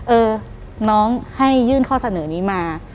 เออน้องให้ยื่นข้อเสนอนี้มา